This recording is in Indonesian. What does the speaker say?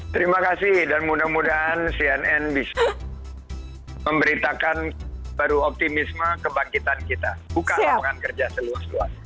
terima kasih dan mudah mudahan cnn bisa memberitakan baru optimisme kebangkitan kita buka lapangan kerja seluas luas